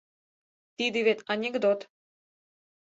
Тиде вет анекдот.